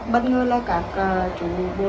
bất ngờ là các chủ bộ